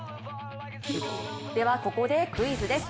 ここでクイズです。